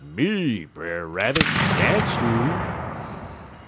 "'Me, Brer Rabbit, dat's who.'